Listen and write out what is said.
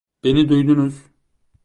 Beni duydunuz.